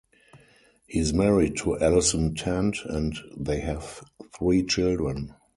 He is married to Allison Tant and they have three children.